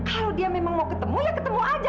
kalau dia memang mau ketemu ya ketemu aja